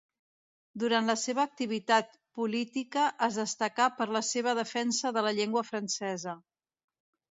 Durant la seva activitat política es destacà per la seva defensa de la llengua francesa.